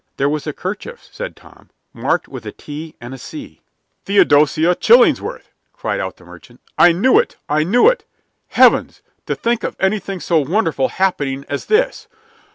"There was a kerchief," said Tom, "marked with a T and a C." "Theodosia Chillingsworth!" cried out the merchant. "I knew it! I knew it! Heavens! to think of anything so wonderful happening as this!